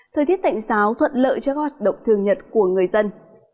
thời tiết tạnh xáo thuận lợi cho các hoạt động thường nhật của người dân